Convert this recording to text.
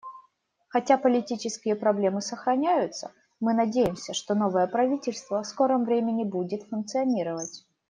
Хотя политические проблемы сохраняются, мы надеемся, что новое правительство в скором времени будет функционировать.